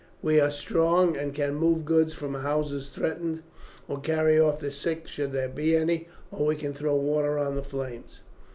We are strong, and can move goods from houses threatened, or carry off the sick should there be any; or we can throw water on the flames."